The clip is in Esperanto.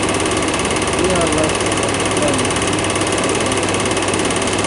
Mi havas malgrandajn orelojn.